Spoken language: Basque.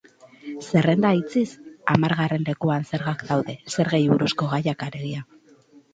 Zerrenda itxiz, hamargarren lekuan zergak daude, zergei buruzko gaiak, alegia.